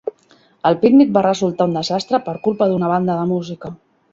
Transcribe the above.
El pícnic va resultar un desastre per culpa d'una banda de música.